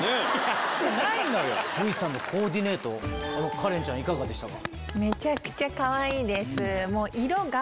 カレンちゃんいかがでしたか？